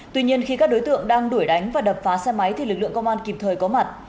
tuy nhiên khi các đối tượng đang đuổi đánh và đập phá xe máy thì lực lượng công an kịp thời có mặt